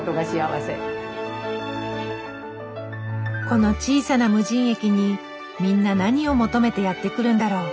この小さな無人駅にみんな何を求めてやって来るんだろう。